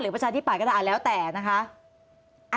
หรือประจานที่ป่ายก็ได้อาจารย์แล้วแต่นะคะ